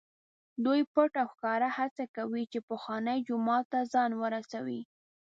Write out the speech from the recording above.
دوی پټ او ښکاره هڅه کوي چې پخواني جومات ته ځان ورسوي.